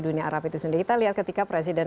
dunia arab itu sendiri kita lihat ketika presiden